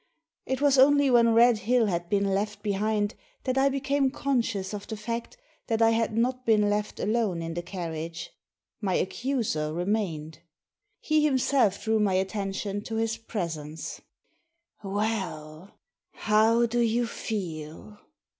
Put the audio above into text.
It was only when Red Hill had been left behind that I became conscious of the fact that I had not been left alone in the carriage. My accuser remained. He himself drew my attention to his presence, " Well, how do you feel